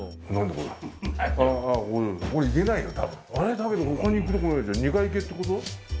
だけど他に行くとこないじゃん２階行けってこと？